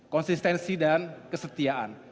konsistensi dan kesetiaan